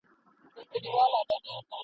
ستا سورکۍ نازکي پاڼي ستا په پښو کي تویومه ..